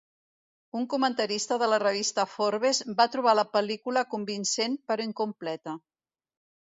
Un comentarista de la revista Forbes va trobar la pel·lícula convincent però incompleta.